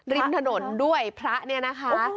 ริมถนนด้วยพระเนี่ยนะคะ